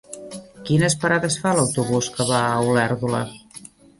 Quines parades fa l'autobús que va a Olèrdola?